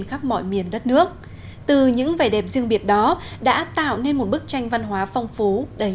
khắp mọi miền đất nước từ những vẻ đẹp riêng biệt đó đã tạo nên một bức tranh văn hóa phong phú đầy